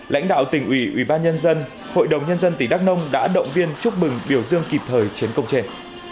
lãnh đạo tỉnh ủy ủy ban nhân dân hội đồng nhân dân tỉnh đắk nông đã động viên chúc mừng biểu dương kịp thời chiến công trên